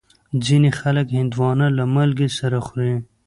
ځینې خلک هندوانه له مالګې سره خوري.